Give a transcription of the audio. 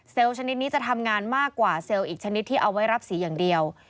ชนิดนี้จะทำงานมากกว่าเซลล์อีกชนิดที่เอาไว้รับสีอย่างเดียว